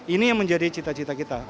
ini yang menjadi cita cita kita